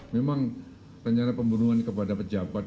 memang rencana pembunuhan kepada pejabat